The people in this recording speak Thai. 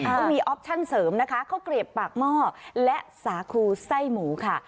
อ่าต้องมีนะคะเขาเกรียบปากหม้อและสาครูไส้หมูค่ะ